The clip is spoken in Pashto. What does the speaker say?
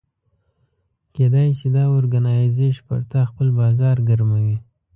کېدای شي دا اورګنایزیش پر تا خپل بازار ګرموي.